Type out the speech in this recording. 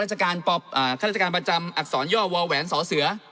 ราชการข้าราชการประจำอักษรย่อวแหวนสอเสือ